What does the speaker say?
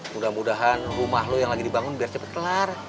mudah mudahan rumah lo yang lagi dibangun biar cepat kelar